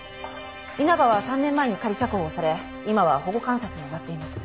稲葉は３年前に仮釈放され今は保護観察も終わっています。